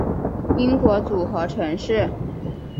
英国组合城市